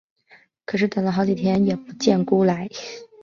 可是等了好几天也不见辜来。